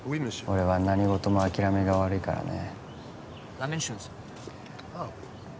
俺は何事も諦めが悪いからね